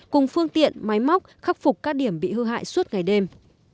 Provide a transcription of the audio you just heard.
cùng phương tiện máy móc khắc phục các điểm bị hư hại suốt ngày đêm